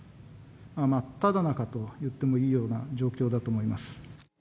真っただ中といってもいいような状況だと思います。